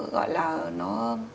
gọi là nó